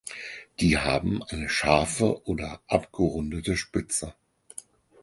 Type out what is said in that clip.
Die haben eine scharfe oder abgerundete Spitze.